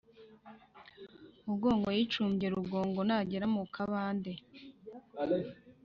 mu gongo yicumbye rugongo nagera mu kabande